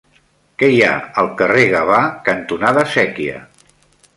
Què hi ha al carrer Gavà cantonada Sèquia?